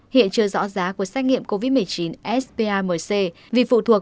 hiện chưa rõ giá của xét nghiệm covid một mươi chín spr mc vì phụ thuộc